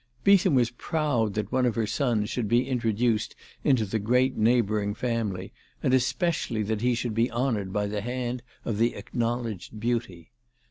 Beetham was proud that one of her sons should be introduced into the great neighbouring family, and especially that he should be honoured by the hand of the acknowledged beauty.